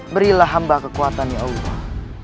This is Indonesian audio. berilah hamba kekuatan ya allah